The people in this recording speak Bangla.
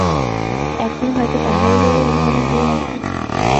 এখনো হয়তো তাহাই লইয়া উন্মনা হইয়া আছেন।